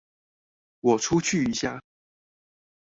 我出去一下